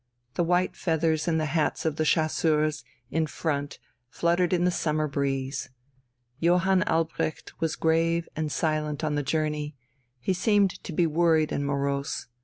The white feathers in the hats of the chasseurs in front fluttered in the summer breeze. Johann Albrecht was grave and silent on the journey; he seemed to be worried and morose.